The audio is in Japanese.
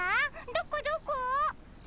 どこどこ？